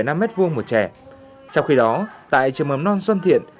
trong khi đó tại trường mầm non xuân thiện thì để thực hiện theo đủ quy định